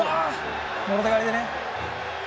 もろ手刈りでね。